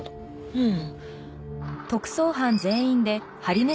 うん。